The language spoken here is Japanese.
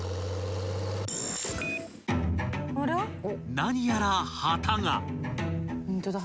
［何やら旗が］